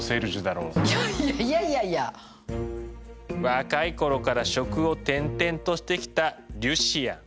若い頃から職を転々としてきたリュシアン。